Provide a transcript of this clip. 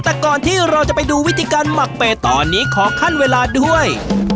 แต่ก่อนที่เราจะไปดูวิธีการหมักเป็ดตอนนี้ขอขั้นเวลาด้วย